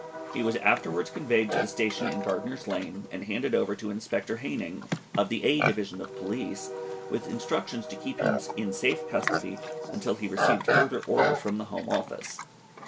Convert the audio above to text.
He was afterwards conveyed to the station in Gardener's Lane, and handed over to Inspector Haining, of the A division of police, with instructions to keep him in safe custody until he received further orders from the Home Office.